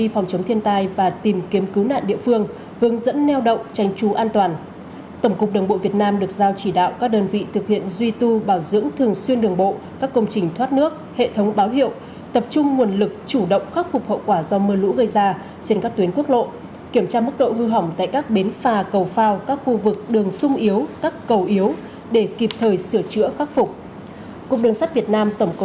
tổng cục đồng bộ việt nam được giao chỉ đạo các đơn vị thực hiện duy tu bảo dưỡng thường xuyên đường bộ các công trình thoát nước hệ thống báo hiệu tập trung nguồn lực chủ động khắc phục hậu quả do mưa lũ gây ra trên các tuyến quốc lộ kiểm tra mức độ hư hỏng tại các bến phà cầu phao các khu vực đường sung yếu các cầu yếu để kịp thời sửa chữa khắc phục